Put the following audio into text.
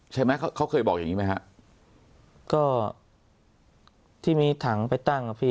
ใช่ไหมเขาเขาเคยบอกอย่างงี้ไหมฮะก็ที่มีถังไปตั้งอ่ะพี่